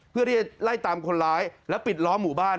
เพื่อที่จะไล่ตามคนร้ายแล้วปิดล้อหมู่บ้าน